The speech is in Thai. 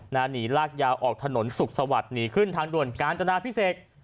หนีลากยาวออกถนนสุขสวัสดิ์หนีขึ้นทางด่วนกาญจนาพิเศษ